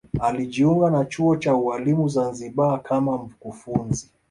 alijiunga na chuo cha ualimu zanzibar kama mkufunzi